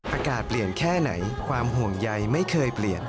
อากาศเปลี่ยนแค่ไหนความห่วงใยไม่เคยเปลี่ยน